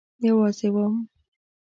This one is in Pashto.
یوازی وم